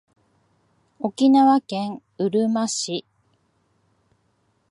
沖縄県うるま市